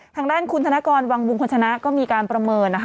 ทางด้านคุณธนกรวังบุงคนชนะก็มีการประเมินนะคะ